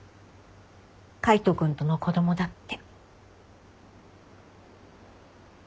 海斗君との子供だって。